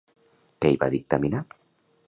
Què hi va dictaminar?